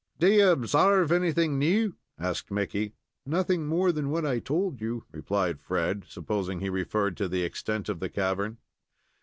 "Do you obsarve anything new?" asked Mickey. "Nothing more than what I told you," replied Fred, supposing he referred to the extent of the cavern.